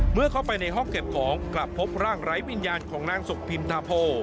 เมื่อเข้าไปในห้องเก็บของกลับพบร่างไร้วิญญาณของนางสุพินทาโพ